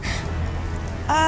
maaf sebentar ganteng